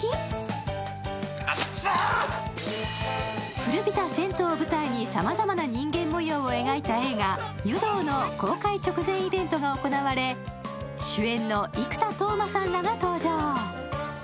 古びた銭湯を舞台にさまざまな人間模様を描いた映画「湯道」の公開直前イベントが行われ、主演の生田斗真さんらが登場。